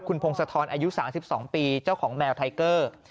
คุณพงศธรอายุ๓๒ปีเจ้าของแมวไทเกอร์